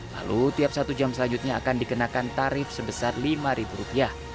lalu tiap satu jam selanjutnya akan dikenakan tarif sebesar rp lima